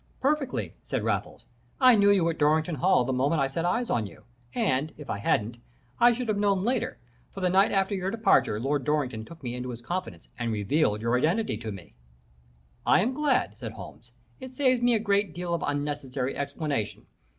"'Perfectly,' said Raffles. 'I knew you at Dorrington Hall the moment I set eyes on you, and, if I hadn't, I should have known later, for the night after your departure Lord Dorrington took me into his confidence and revealed your identity to me.' "'I am glad,' said Holmes. 'It saves me a great deal of unnecessary explanation.